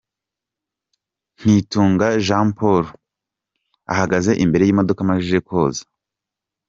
Nzitunga Jean Paul, ahagaze imbere y’imodoka amaze koza.